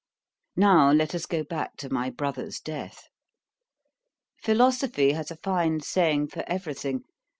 Now let us go back to my brother's death. Philosophy has a fine saying for every thing.